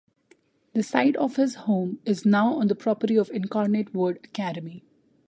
The site of his home is now on the property of Incarnate Word Academy.